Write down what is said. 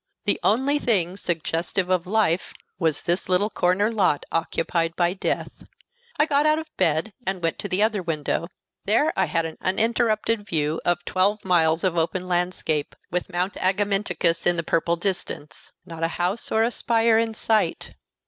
The only thing suggestive of life was this little corner lot occupied by death. I got out of bed and went to the other window. There I had an uninterrupted view of twelve miles of open landscape, with Mount Agamenticus in the purple distance. Not a house or a spire in sight.